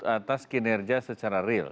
atas kinerja secara real